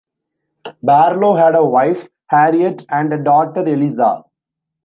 Barlow had a wife, Harriet, and a daughter, Eliza.